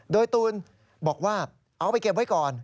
โดยตูนบอกว่าเอาไปเก็บไว้ก่อน